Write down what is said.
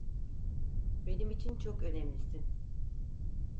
Benim için çok önemlisin.